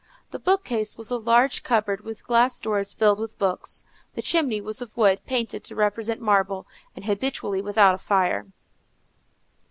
The bookcase was a large cupboard with glass doors filled with books; the chimney was of wood painted to represent marble, and habitually without fire.